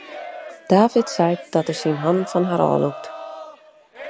David seit dat er syn hannen fan har ôflûkt.